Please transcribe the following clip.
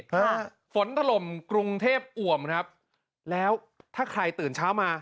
ฮะฝนถล่มกรุงเทพอ่วมครับแล้วถ้าใครตื่นเช้ามา